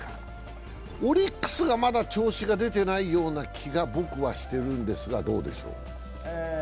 オリックスがまだ調子が出てきていないような気が僕はしているんですが、どうでしょう？